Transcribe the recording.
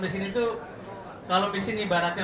bisa dibilang miskinnya ke sepuluh ribu persen